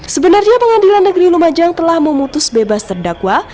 sebenarnya pengadilan negeri lumajang telah memutuskan